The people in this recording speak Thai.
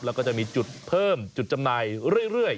แล้วก็จะมีจุดเพิ่มจุดจำหน่ายเรื่อย